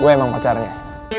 gue emang pacarnya